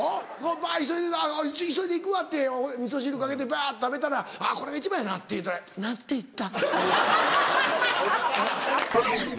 バ急いで「急いで行くわ」ってみそ汁かけてバっと食べたら「これが一番やな」って言うたら「何て言った？」。